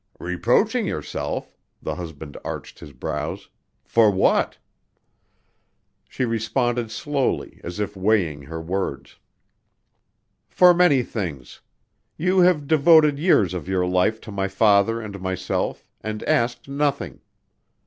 "Reproaching yourself " the husband arched his brows "for what?" She responded slowly as if weighing her words. "For many things. You have devoted years of your life to my father and myself and asked nothing.